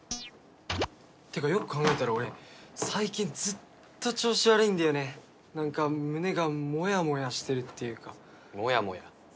てかよく考えたら俺最近ずっと調子悪いんだよねなんか胸がモヤモヤしてるっていうかモヤモヤ？